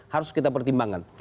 harus kita pertimbangkan